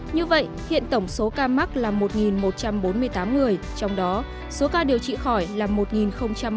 như vậy hiện tổng số ca mắc là một một trăm bốn mươi tám người trong đó số ca điều trị khỏi là một bốn mươi chín ca